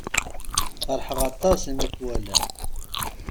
Feṛḥeɣ aṭas i mi k-walaɣ.